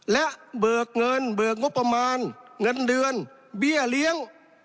และเบิกเงินเบิกงบประมาณเงินเดือนเบี้ยเลี้ยง